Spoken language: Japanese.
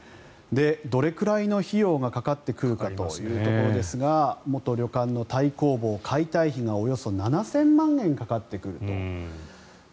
どれくらいの費用がかかってくるかというところですが元旅館の太公望解体費がおよそ７０００万円かかってくると。